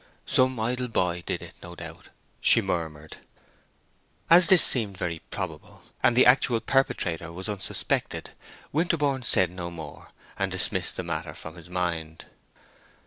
"Some idle boy did it, no doubt," she murmured. As this seemed very probable, and the actual perpetrator was unsuspected, Winterborne said no more, and dismissed the matter from his mind.